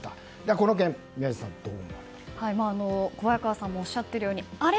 この件、宮司さん小早川さんもおっしゃっているようにあれ？